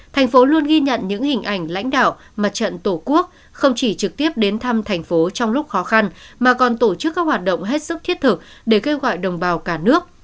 thành phố luôn ghi nhận những hình ảnh lãnh đạo mặt trận tổ quốc không chỉ trực tiếp đến thăm thành phố trong lúc khó khăn mà còn tổ chức các hoạt động hết sức thiết thực để kêu gọi đồng bào cả nước